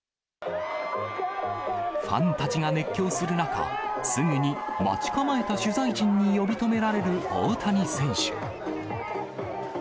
ファンたちが熱狂する中、すぐに待ち構えた取材陣に呼び止められる大谷選手。